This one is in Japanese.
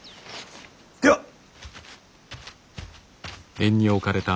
では！